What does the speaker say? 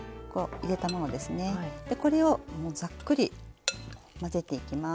でこれをもうざっくり混ぜていきます。